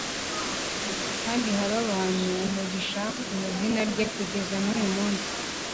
kandi bahe abantu umugisha mu izina rye kugeza n’uyu munsi.